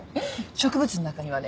植物の中にはね